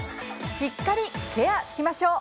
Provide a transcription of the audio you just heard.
しっかりケアしましょう。